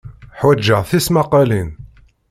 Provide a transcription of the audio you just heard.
Ḥwajeɣ tismaqqalin.